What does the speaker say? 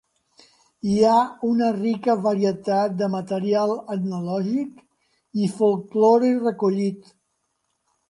Hi ha una rica varietat de material etnològic i folklore recollit.